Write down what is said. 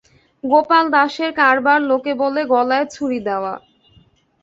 গোপাল দাসের কারবার লোকে বলে গলায় ছুরিদেওয়া।